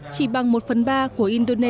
chỉ bằng một phần